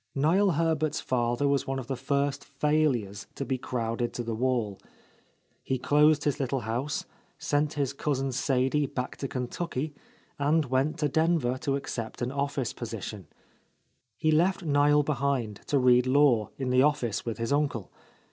Niel Herbert's father was one of the first fail ures to be crowded to the wall. He closed his little house, sent his cousin Sadie back to Ken tucky, and went to Denver to accept an office — 32 — A Lost Lady position. He left Niel behind to read law in the office with his uncle.